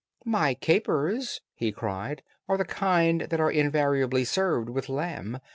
"My capers," he cried, "are the kind that are Invariably served with lamb.